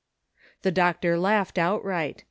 The doctor laughed outright.